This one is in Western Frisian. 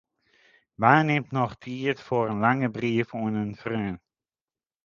Wa nimt noch tiid foar in lange brief oan in freon?